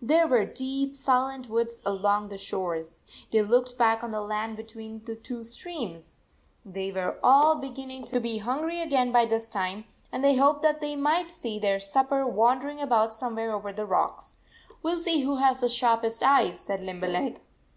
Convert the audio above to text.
There were deep, silent woods along the shores. They looked back on the land be tween the two streams. They were all be ginning to be hungry again by this time, and they hoped that they might see their supper wandering about somewhere over the rocks. " We ll see who has the sharpest eyes," said Limberleg.